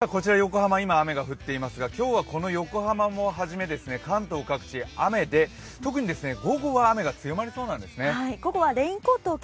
こちら、横浜、今、雨が降っていますが今日は横浜をはじめ、関東各地雨で、特に午後は雨が強まりそうなんですね。